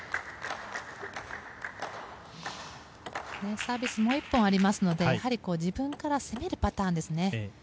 サービス、もう１本ありますのでやはり自分から攻めるパターンですね。